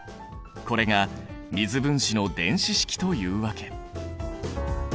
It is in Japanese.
これが水分子の電子式というわけ。